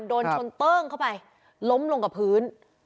โดนชนเติ้งเข้าไปล้มลงกับพื้น